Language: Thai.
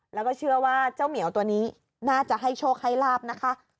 แล้วก็เชื่อว่าเจ้าเหมียวตัวนี้น่าจะให้โชคให้ลาบนะคะ